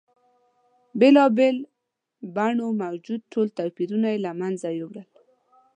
بېلا بېلو بڼو موجود ټول توپیرونه یې له منځه یوړل.